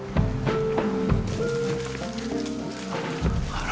あら？